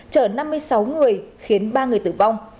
chở năm mươi sáu người khiến ba người tử vong